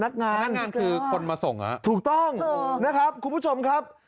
พนักงานคือคนมาส่งครับโอเคนะครับคุณผู้ชมครับ